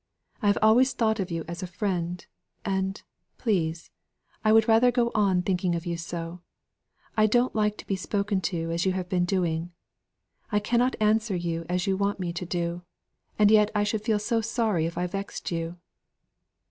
I have always thought of you as a friend; and, please, I would rather go on thinking of you so. I don't like to be spoken to as you have been doing. I cannot answer you as you want me to do, and yet I should feel so sorry if I vexed you."